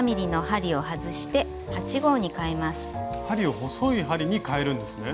針を細い針にかえるんですね。